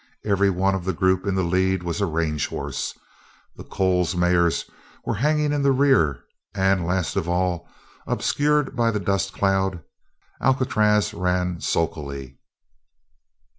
Every one of the group in the lead was a range horse; the Coles mares were hanging in the rear and last of all, obscured by the dust cloud, Alcatraz ran sulkily.